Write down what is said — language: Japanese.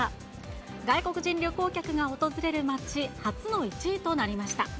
外国人旅行客が訪れる街、初の１位となりました。